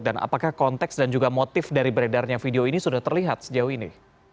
dan apakah konteks dan juga motif dari beredarnya video ini sudah terlihat sejauh ini